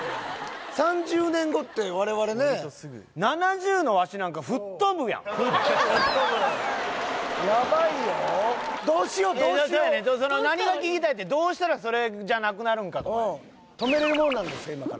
３０年後って我々ね吹っ飛ぶ吹っ飛ぶヤバいよどうしようどうしよう何が聞きたいってどうしたらそれじゃなくなるんかとか止めれるもんなんですか？